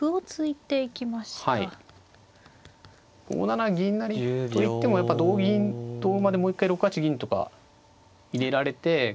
５七銀成と行ってもやっぱ同銀同馬でもう一回６八銀とか入れられて結局。